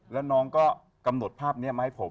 แล้วน้องก็กำหนดภาพนี้มาให้ผม